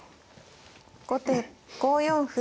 後手５四歩。